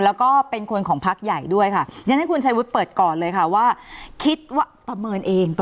แล้วก็เป็นคนของพักใหญ่ด้วยค่ะยังให้คุณใช้วิทย์เปิดก่อนเลยค่ะว่าคิดว่าประเมินเองประเมินเองว่า